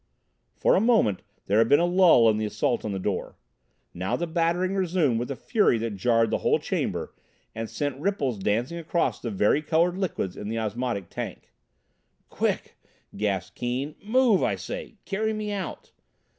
For a moment there had been a lull in the assault on the door. Now the battering resumed with a fury that jarred the whole chamber and sent ripples dancing across the varicolored liquids in the osmotic tank. "Quick!" gasped Keane. "Move! I say. Carry me out."